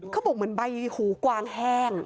เขาบอกเหมือนใบหูกวางแห้ง